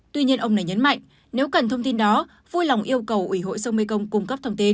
tuy nhiên ông này nhấn mạnh nếu cần thông tin đó vui lòng yêu cầu ủy hội sông mekong cung cấp thông tin